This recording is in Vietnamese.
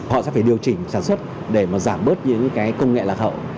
họ sẽ phải điều chỉnh sản xuất để giảm bớt những công nghệ lạc hậu